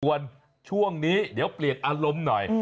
ส่วนช่วงนี้เดี๋ยวเปียกอารมณ์หน่อย